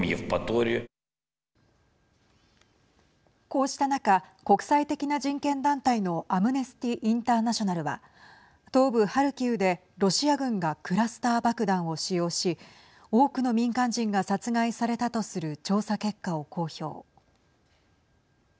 こうした中国際的な人権団体のアムネスティ・インターナショナルは東部ハルキウでロシア軍がクラスター爆弾を使用し多くの民間人が殺害されたとする調査結果を公表。